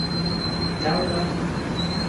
যাও, যাও।